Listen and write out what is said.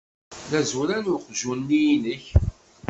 D azuran uqjun-nni-inek.